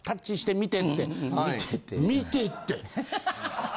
みてって。